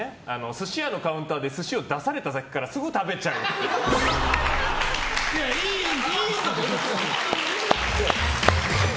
寿司屋のカウンターで寿司を出された先からすぐ食べちゃうっぽい。